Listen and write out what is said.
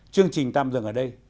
chương trình tạm dừng ở đây